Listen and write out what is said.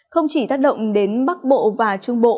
không chỉ tác động đến bắc bộ và trung bộ